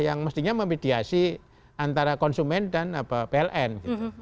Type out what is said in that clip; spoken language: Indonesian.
yang mestinya memediasi antara konsumen dan pln